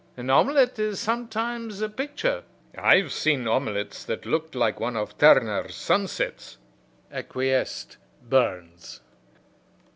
An omelette is sometimes a picture " "I've seen omelettes that looked like one of Turner's sunsets," acquiesced Burns.